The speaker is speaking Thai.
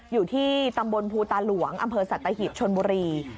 อยู่ที่ตำบลภูตาหลวงอำเภอสัตหิบชนบุรี